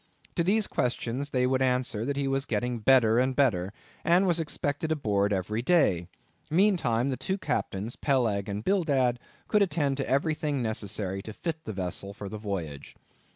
To these questions they would answer, that he was getting better and better, and was expected aboard every day; meantime, the two captains, Peleg and Bildad, could attend to everything necessary to fit the vessel for the voyage.